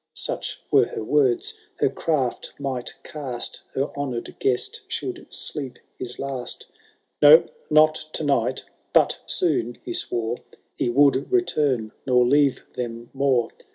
Such were her words, — her craft might cast. Her honoured guest should sleep his last :*« No, not to night — ^but soon," he swore, « He would return, nor leave them more."